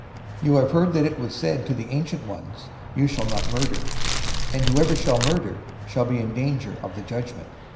005:021 "You have heard that it was said to the ancient ones, 'You shall not murder;'{Exodus 20:13} and 'Whoever shall murder shall be in danger of the judgment.'